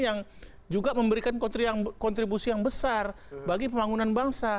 yang juga memberikan kontribusi yang besar bagi pembangunan bangsa